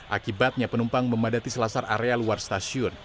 akibatnya penumpang memadati selasar area luar stasiun